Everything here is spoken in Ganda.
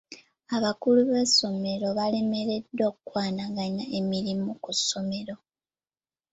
Abakulu b'amasomero balemereddwa okukwanaganya emirimu ku ssomero.